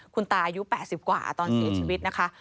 คุณตาอายุ๘๐กว่าตอนเสียชีวิตนะคะ